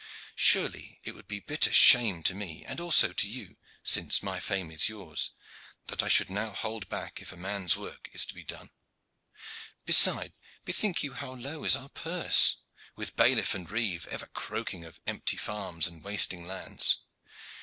Surely then it would be bitter shame to me, and also to you, since my fame is yours, that I should now hold back if a man's work is to be done. Besides, bethink you how low is our purse, with bailiff and reeve ever croaking of empty farms and wasting lands.